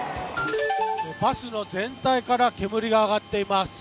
バスの全体から煙が上がっています。